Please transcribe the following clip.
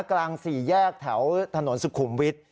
กลางสี่แยกแถวถนนสุขุมวิทย์